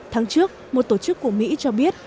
tháng trước một tổ chức của mỹ cho biết